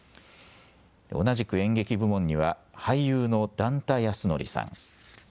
同じく演劇部門には俳優の段田安則さん。